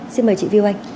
xin mời chị viu anh